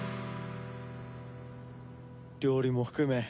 料理も含め。